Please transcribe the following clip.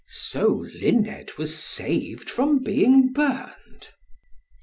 So Luned was saved from being burned.